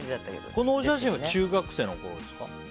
このお写真は中学生のころですか。